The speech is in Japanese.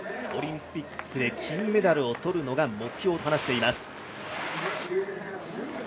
オリンピックで金メダルをとるのが目標と話しています。